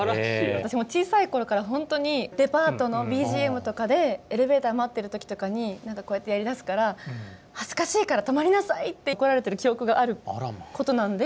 私も小さいころから、本当にデパートのＢＧＭとかで、エレベーター待ってるときとかに、なんかこうやってやりだすから、恥ずかしいから止まりなさいって怒られてる記憶があることなんで。